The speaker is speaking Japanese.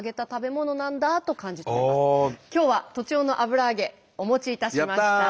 今日は栃尾の油揚げお持ちいたしました。